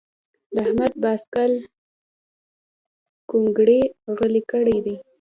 د احمد باسکل کونګري غلي کړي دي.